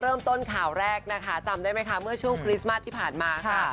เริ่มต้นข่าวแรกนะคะจำได้ไหมคะเมื่อช่วงคริสต์มัสที่ผ่านมาค่ะ